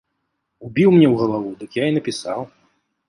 Убіў мне ў галаву, дык я і напісаў.